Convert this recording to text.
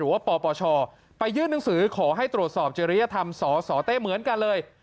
ว่าปปชไปยื่นหนังสือขอให้ตรวจสอบเจริยธรรมสสเต้เหมือนกันเลย